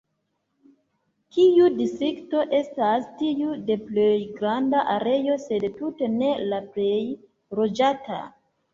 Tiu distrikto estas tiu de plej granda areo, sed tute ne la plej loĝata.